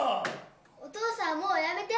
お父さんもうやめて。